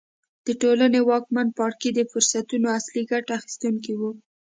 د ټولنې واکمن پاړکي د فرصتونو اصلي ګټه اخیستونکي وو.